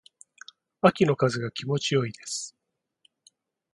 秋の風が気持ち良いです。